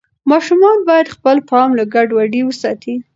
ماشومان باید خپل پام له ګډوډۍ وساتي.